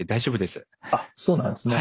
あっそうなんですね。